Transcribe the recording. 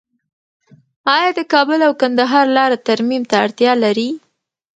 آیا د کابل او کندهار لاره ترمیم ته اړتیا لري؟